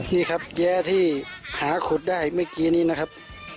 นี่ครับแย้ที่หาขุดได้เมื่อกี้นี้นะครับ